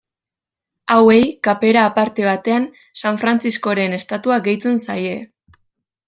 Hauei kapera aparte batean San Frantziskoren estatua gehitzen zaie.